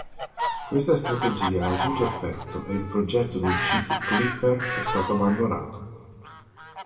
Questa strategia ha avuto effetto e il progetto del chip Clipper è stato abbandonato.